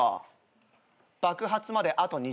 爆発まであと２時間。